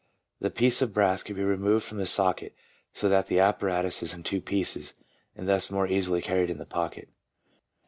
The piece of brass can be removed from the socket, so that the apparatus is in two pieces, and thus more easily carried in the pocket.